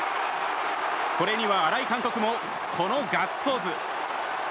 これには新井監督もこのガッツポーズ。